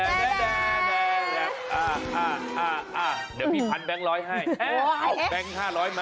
อ่าอ่าอ่าอ่าเดี๋ยวพี่พันแบงก์ร้อยให้